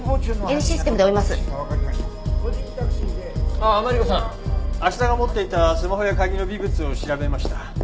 ああマリコさん芦田が持っていたスマホや鍵の微物を調べました。